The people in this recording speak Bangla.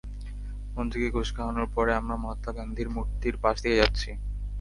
মন্ত্রীকে ঘুষ খাওয়ানোর পরে আমরা, মহাত্মা গান্ধীর মুর্তির পাশ দিয়ে যাচ্ছি।